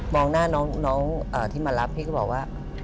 หน้าน้องที่มารับพี่ก็บอกว่า